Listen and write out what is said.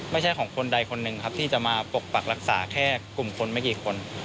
ไม่ใช่ของคนใดคนหนึ่งครับที่จะมาปกปักรักษาแค่กลุ่มคนไม่กี่คน